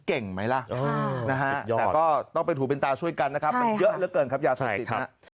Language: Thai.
เก่งไหมล่ะต้องไปถูเป็นตาช่วยกันนะครับเยอะเหลือเกินครับยาสติด